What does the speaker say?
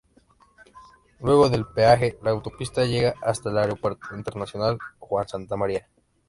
Luego del peaje, la autopista llega hasta el Aeropuerto Internacional Juan Santamaría.